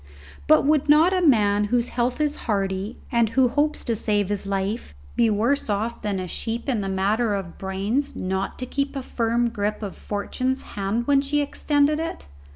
But would not a man whose health is hearty, and who hopes to save his life, be worse off than a sheep in the matter of brains not to keep a firm grip of Fortune's hand when she extended it?